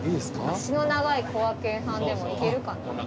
脚の長いこがけんさんでもいけるかな？